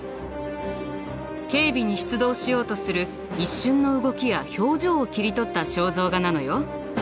警備に出動しようとする一瞬の動きや表情を切り取った肖像画なのよ。